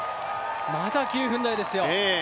まだ９分台ですよ。